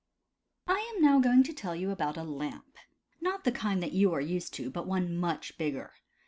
I AM now going to tell you about a lamp. Not the kind that you are used to, but one much bigger.